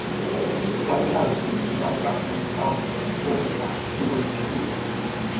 完颜亮使习拈的丈夫稍喝押护卫直宿。